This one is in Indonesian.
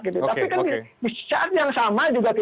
tapi kan di saat yang sama juga